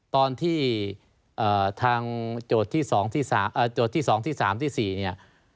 ตอนที่ทางโจทย์ที่๒ที่๓ที่๔นี่